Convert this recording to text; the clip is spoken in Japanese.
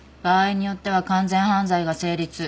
場合によっては完全犯罪が成立。